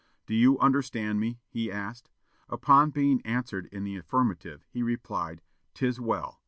"Do you understand me?" he asked. Upon being answered in the affirmative, he replied, "'Tis well!"